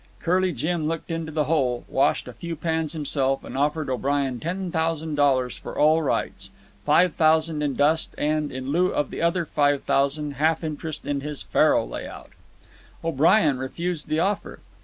Curly Jim looked into the hole, washed a few pans himself, and offered O'Brien ten thousand dollars for all rights—five thousand in dust, and, in lieu of the other five thousand, a half interest in his faro layout. O'Brien refused the offer.